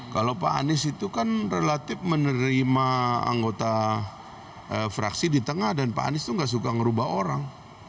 kalau pak anies itu kan relatif menerima anggota fraksi di tengah dan pak anies itu nggak suka merubah orang